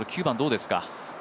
番どうですか？